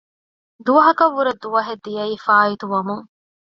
ދުވަހަކަށްވުރެ ދުވަހެއް ދިޔައީ ފާއިތުވަމުން